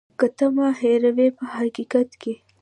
که ته ما هېروې په حقیقت کې.